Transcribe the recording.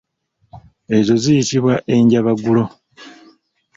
Ezo ziyitibwa enjabaggulo.